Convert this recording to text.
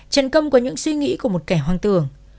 trần công có những suy nghĩ của một kẻ hoang tưởng